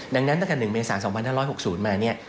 ดังนั้นตั้งแต่๑เมษา๒๕๖๐มาเนี่ย